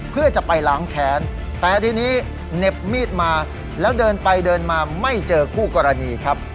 เพื่อจะไปล้างแค้นแต่ทีนี้เหน็บมีดมาแล้วเดินไปเดินมาไม่เจอคู่กรณีครับ